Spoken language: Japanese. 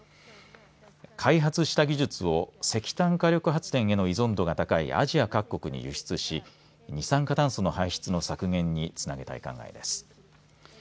開発した技術を石炭火力発電への依存度が高いアジア各国に輸出し二酸化炭素の排出の削減につなげたい考えです。